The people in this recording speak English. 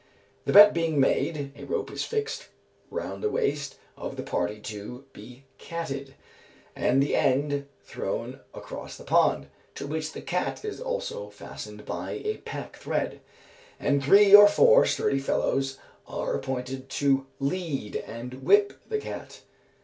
The bet being made, a rope is fixed round the waist of the party to be catted, and the end thrown across the pond, to which the cat is also fastened by a pack thread, and three or four sturdy fellows are appointed to lead and 'whip the cat.'